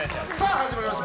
始まりました！